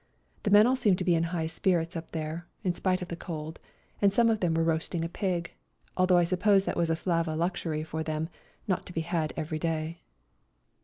The men all seemed to be in high spirits up there, in spite of the cold, and some of them were roasting a pig, although I suppose that was a " Slava " luxury for them, not to be had every day.